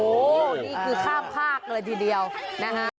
โอ้โหนี่คือข้ามภาคเลยทีเดียวนะคะ